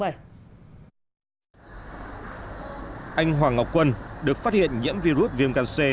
anh hoàng ngọc quân được phát hiện nhiễm virus viêm gan c